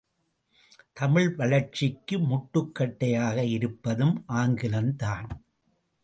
தமிழ் வளர்ச்சிக்கு முட்டுக் கட்டையாக இருப்பதும் ஆங்கிலம் தான்!